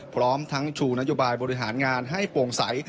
พร้อมทั้งชูนโยบายบริหารงานให้โปร่งใส